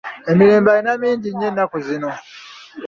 Emirembe alina mingi nnyo ennaku zino.